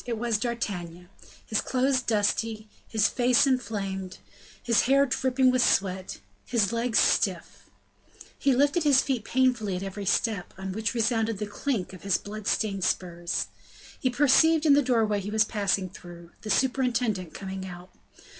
It was D'Artagnan, his clothes dusty, his face inflamed, his hair dripping with sweat, his legs stiff; he lifted his feet painfully at every step, on which resounded the clink of his blood stained spurs. He perceived in the doorway he was passing through, the superintendent coming out.